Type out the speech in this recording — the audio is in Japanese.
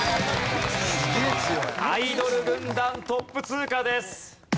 アイドル軍団トップ通過です。